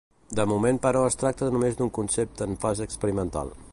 De moment però es tracta només d'un concepte en fase experimental.